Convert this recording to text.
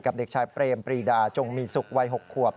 เด็กชายเปรมปรีดาจงมีสุขวัย๖ขวบ